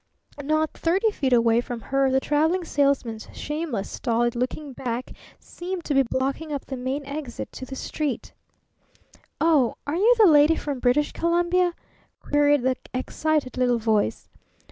Not thirty feet away from her the Traveling Salesman's shameless, stolid looking back seemed to be blocking up the main exit to the street. "Oh, are you the lady from British Columbia?" queried the excited little voice.